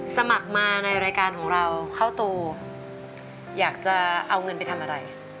สมัครมาในรายการของเราเข้าตูอยากจะเอาเงินไปทำอะไร